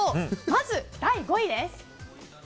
まず、第５位です。